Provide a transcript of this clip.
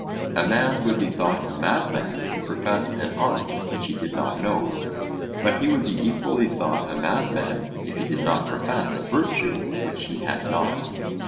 A man would be thought a madman who professed an art which he did not know; but he would be equally thought a madman if he did not profess a virtue which he had not.